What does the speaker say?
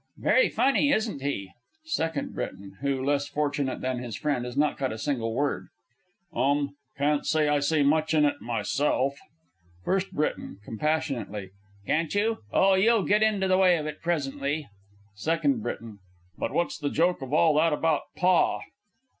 Very funny, isn't he? SECOND B. (who less fortunate than his friend has not caught a single word). Um can't say I see much in it myself. FIRST B. (compassionately). Can't you? Oh, you'll get into the way of it presently. SECOND B. But what's the joke of all that about "Pa"?